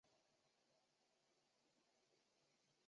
才不小！